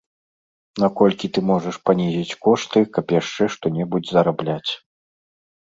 Наколькі ты можаш панізіць кошты, каб яшчэ што-небудзь зарабляць.